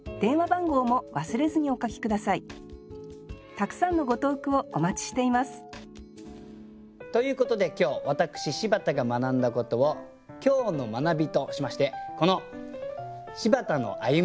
たくさんのご投句をお待ちしていますということで今日私柴田が学んだことを今日の学びとしましてこの「柴田の歩み」